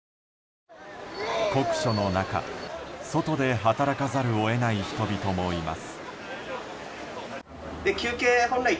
酷暑の中、外で働かざるを得ない人々もいます。